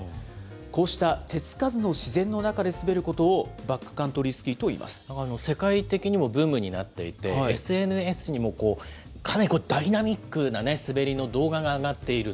こうした手付かずの自然の中で滑ることを、バックカントリースキ世界的にもブームになっていて、ＳＮＳにもかなりダイナミックな滑りの動画が上がっている。